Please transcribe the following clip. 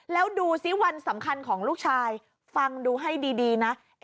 แล้วดูสิวันสำคัญของลูกชายฟังดูให้ดีนะ